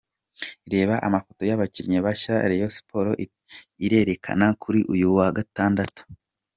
Reba amafoto y’abakinnyi bashya Rayon Sports Irerekana kuri uyu wa gatandatu.